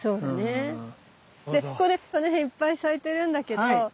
でこれこの辺いっぱい咲いてるんだけどこれはね